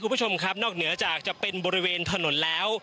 คุณผู้ชมครับนอกเหนือจากจะเป็นบริเวณถนนแล้ว